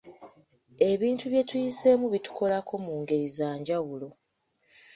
Ebintu bye tuyiseemu bitukolako mu ngeri za njawulo.